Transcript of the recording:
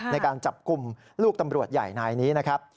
ในการจับกลุ่มลูกตำรวจใหญ่นายนี้นะครับ